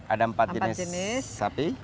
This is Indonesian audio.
ada empat jenis sapi